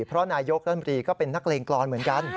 เพราะนายโยกธรรมดีก็เป็นนักเลงกรรณเหมือนกัน